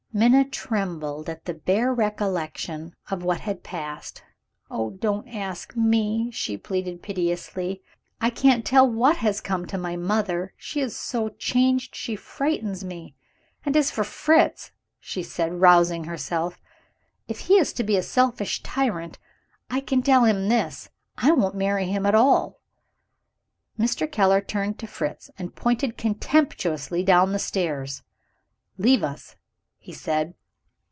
Minna trembled at the bare recollection of what had passed. "Oh, don't ask me!" she pleaded piteously; "I can't tell what has come to my mother she is so changed, she frightens me. And as for Fritz," she said, rousing herself, "if he is to be a selfish tyrant, I can tell him this I won't marry him at all!" Mr. Keller turned to Fritz, and pointed contemptuously down the stairs. "Leave us!" he said.